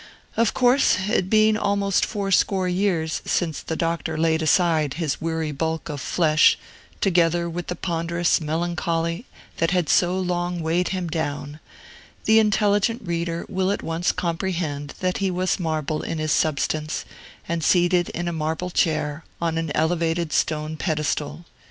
Of course, it being almost fourscore years since the Doctor laid aside his weary bulk of flesh, together with the ponderous melancholy that had so long weighed him down, the intelligent reader will at once comprehend that he was marble in his substance, and seated in a marble chair, on an elevated stone pedestal.